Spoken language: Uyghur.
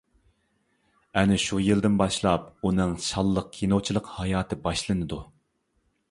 ئەنە شۇ يىلىدىن باشلاپ ئۇنىڭ شانلىق كىنوچىلىق ھاياتى باشلىنىدۇ.